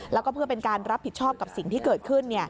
แล้วก็เพื่อเป็นการรับผิดชอบกับสิ่งที่เกิดขึ้น